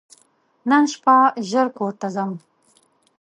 نن شپه ژر کور ته ځم !